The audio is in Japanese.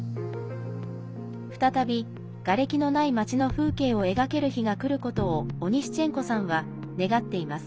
再び、がれきのない町の風景を描ける日がくることをオニシュチェンコさんは願っています。